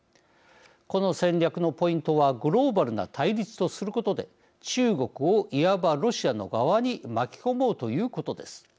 この戦略のポイントはグローバルな対立とすることで中国をいわばロシアの側に巻き込もうということです。